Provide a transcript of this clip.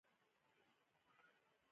• د سهار چمک د سبا لپاره هیله راوړي.